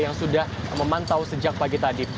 yang sudah memantau sejak pagi tadi